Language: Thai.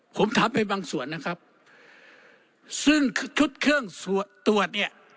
ผมถามไปบางส่วนนะครับซึ่งชุดเครื่องตรวจเนี่ย